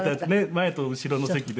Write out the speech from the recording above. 前と後ろの席で。